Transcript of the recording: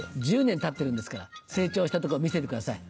１０年たってるんですから成長したとこ見せてください。